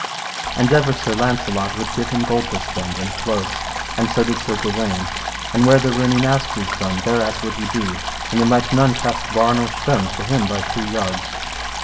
And ever Sir Launcelot would give him gold to spend, and clothes, and so did Sir Gawaine, and where there were any masteries done, thereat would he be, and there might none cast bar nor stone to him by two yards.